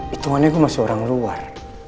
hitungannya gue masih orang luar